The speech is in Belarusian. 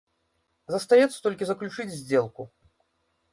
Застаецца толькі заключыць здзелку.